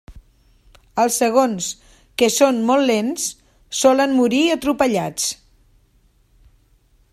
Els segons, que són molt lents, solen morir atropellats.